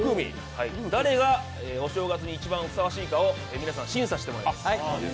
誰がお正月に一番ふさわしいか皆さん、審査していただきます。